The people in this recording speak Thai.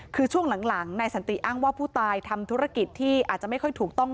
คือช่วงหลังนายสันติอ้างว่าผู้ตายทำธุรกิจที่อาจจะไม่ค่อยถูกต้อง